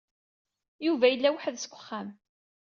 Yuba yella weḥd-s deg uxxam.